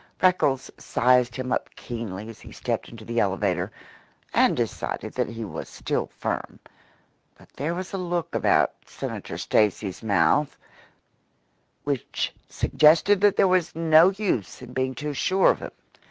Freckles sized him up keenly as he stepped into the elevator, and decided that he was still firm. But there was a look about Senator Stacy's mouth which suggested that there was no use in being too sure of him.